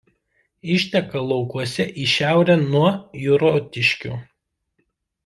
Išteka laukuose į šiaurę nuo Jurotiškių.